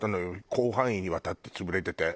広範囲にわたって潰れてて。